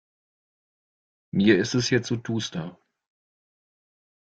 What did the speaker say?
Mir ist es hier zu duster.